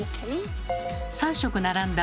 ３色並んだ